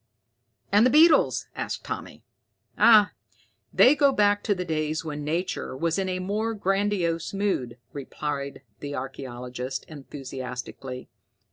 "And the beetles?" asked Tommy. "Ah, they go back to the days when nature was in a more grandiose mood!" replied the archaeologist enthusiastically.